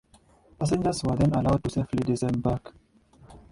Passengers were then allowed to safely disembark.